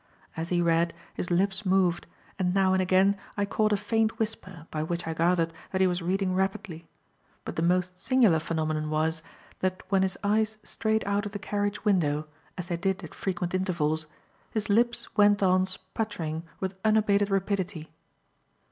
As he read, his lips moved, and now and again I caught a faint whisper, by which I gathered that he was reading rapidly; but the most singular phenomenon was, that when his eyes strayed out of the carriage window, as they did at frequent intervals, his lips went on sputtering with unabated rapidity.